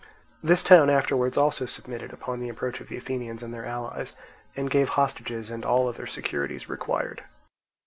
This town afterwards also submitted upon the approach of the Athenians and their allies, and gave hostages and all other securities required.